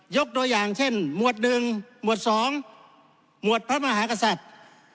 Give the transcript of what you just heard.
ยกโดยอย่างเช่นมวดหนึ่งมวดสองมวดพระมหากษัตริย์